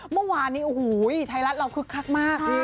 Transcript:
เมื่อวานนี้อูหูยไทยรัฐเราคึกคักมากใช่